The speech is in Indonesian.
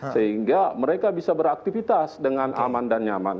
sehingga mereka bisa beraktivitas dengan aman dan nyaman